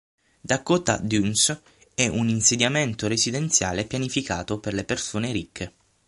Dakota Dunes è un insediamento residenziale pianificato per le persone ricche.